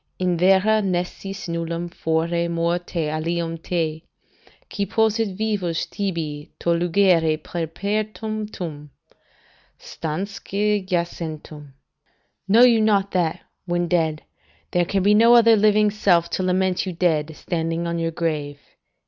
"'In vera nescis nullum fore morte alium te, Qui possit vivus tibi to lugere peremptum, Stansque jacentem.' ["Know you not that, when dead, there can be no other living self to lament you dead, standing on your grave."